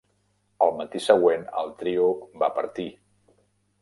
Al matí següent el trio va partir.